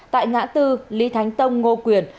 tại ngã tư lý thánh tông ngô quyền